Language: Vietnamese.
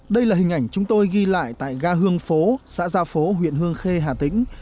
đây là hình ảnh chúng tôi ghi lại tại ga hương phố xã gia phố huyện hương khê hà tĩnh